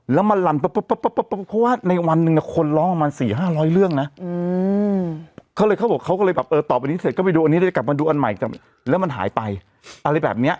แล้วมาลั่นปะปะปะปะว่าในวันนึงในคนร้องประมาณ๔๕๐๐เรื่องนะ